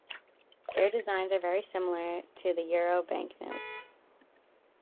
Their designs are very similar to the Euro banknotes.